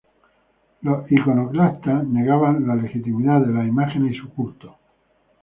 Los iconoclastas negaban la legitimidad de las imágenes y su culto.